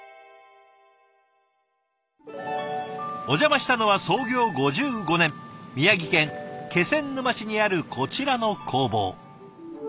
お邪魔したのは創業５５年宮城県気仙沼市にあるこちらの工房。